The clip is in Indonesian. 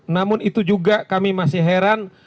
namun itu juga kami masih heran